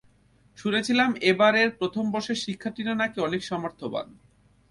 শুনেছিলাম এবারের প্রথম বর্ষের শিক্ষার্থীরা না কি অনেক সামর্থ্যবান।